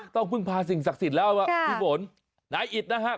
ต้องพึ่งพาสิ่งศักดิ์สิทธิ์แล้วนายอิทธิ์นะครับ